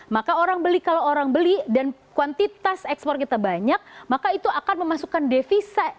maka orang beli kalau orang beli dan kuantitas ekspor kita banyak maka itu akan memasukkan devisa